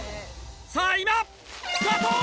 さぁ今スタート！